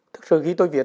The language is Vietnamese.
thực sự khi tôi viết